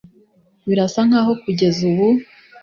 birasa nkaho kugeza ubu